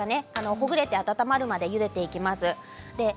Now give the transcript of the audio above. ほぐれて温まるまでゆでていきます。